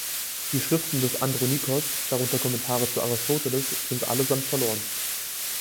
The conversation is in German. Die Schriften des Andronikos, darunter Kommentare zu Aristoteles, sind allesamt verloren.